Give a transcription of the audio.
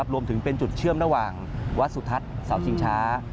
รวมถึงเป็นจุดเชื่อมระหว่างวัดสุทัศน์เสาชิงช้า